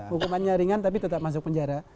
hukumannya ringan tapi tetap masuk penjara